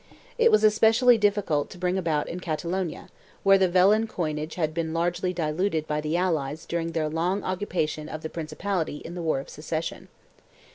It was especially difficult to bring about in Catalonia, where the vellon coinage had been largely diluted by the allies during their long occupation of the principality in the War of Succession.